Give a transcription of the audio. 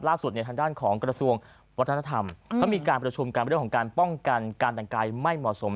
ทางด้านของกระทรวงวัฒนธรรมเขามีการประชุมกันเรื่องของการป้องกันการแต่งกายไม่เหมาะสม